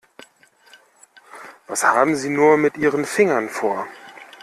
Was haben Sie nur mit Ihren Fingern vor?